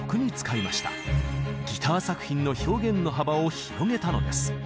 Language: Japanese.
ギター作品の表現の幅を広げたのです。